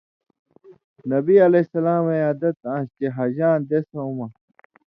نبی علیہ السلامیں عادت آنسِیۡ چے حَجاں دېسؤں مہ